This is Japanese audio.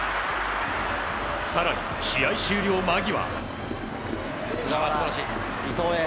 更に、試合終了間際。